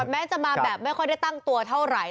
แม้จะมาแบบไม่ค่อยได้ตั้งตัวเท่าไหร่